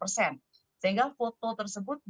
sehingga foto tersebut bisa